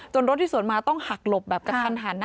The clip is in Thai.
จนรถที่ถูกถูกมาต้องหักหลบกระทานน่าตรงใจนะ